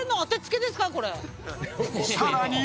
［さらに］